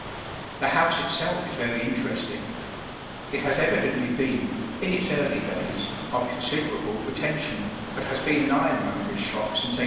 The house itself is very interesting; it has evidently been, in its early days, of considerable pretension, but has been an ironmonger's shop since 1804.